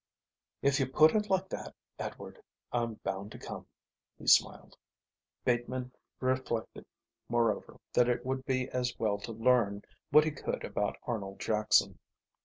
"If you put it like that, Edward, I'm bound to come," he smiled. Bateman reflected, moreover, that it would be as well to learn what he could about Arnold Jackson.